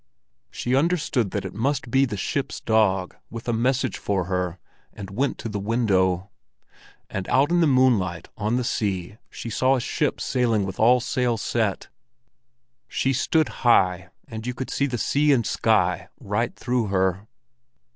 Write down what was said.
She understood that it must be the ship's dog with a message for her, and went to the window; and out in the moonlight on the sea she saw a ship sailing with all sail set. She stood high, and you could see the sea and sky right through her.